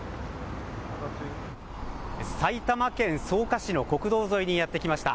埼玉県草加市の国道沿いにやって来ました。